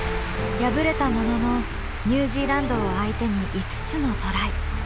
敗れたもののニュージーランドを相手に５つのトライ。